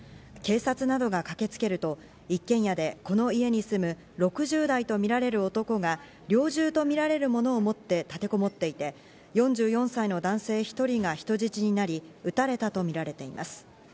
警察などが駆けつけると、一軒家でこの家に住む６０代とみられる男が猟銃とみられるものを持って立てこもっていて、４４歳の男性１人が人質になり撃たれたとみられています。